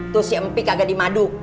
tuh si empi kagak di madu